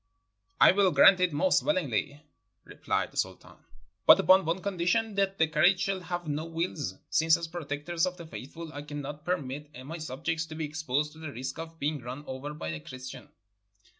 "I will grant it most willingly," replied the Sultan, "but upon one condition — that the carriage shall have no wheels, since as Protector of the Faithful I cannot per mit my subjects to be exposed to the risk of being run over by a Christian."